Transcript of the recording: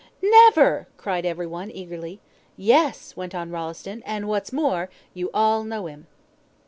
"Never!" cried every one eagerly. "Yes," went on Rolleston, "and what's more, you all know him."